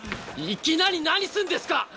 いきなり何すんですか！？